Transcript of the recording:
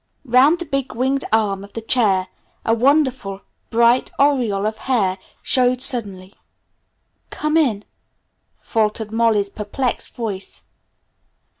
Round the big winged arm of the chair a wonderful, bright aureole of hair showed suddenly. "Come in," faltered Molly's perplexed voice.